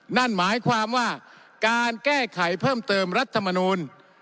นั่นหมายความว่าการแก้ไขเพิ่มเติมรัฐมนูล